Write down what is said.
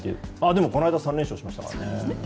でもこの間３連勝しましたからね。